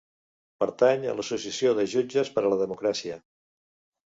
Pertany a l'associació de Jutges per a la Democràcia.